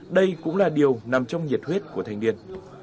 đây cũng là điều nằm trong nhiệt huyết của thanh niên